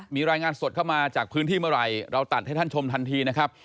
มีรายงานสดเข้ามาจากพื้นที่เมื่อไหร่เราตัดให้ท่านชมทันทีนะครับ